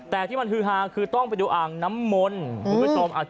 แต่มันฮือฮาคือต้องไปดูอ่างน้ำมนต์บุปริศนมอัจจ้องเลย